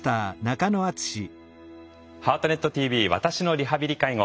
「ハートネットＴＶ私のリハビリ・介護」。